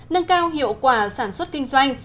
nâng cao hiệu quả sản xuất kinh doanh